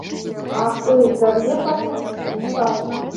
А хто іх заб'е, па сутнасці, не важна.